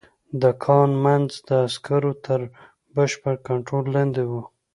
د کان منځ د عسکرو تر بشپړ کنترول لاندې و